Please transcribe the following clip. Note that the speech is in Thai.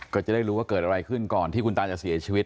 ก็จะได้รู้ว่าเกิดอะไรขึ้นก่อนที่คุณตาจะเสียชีวิต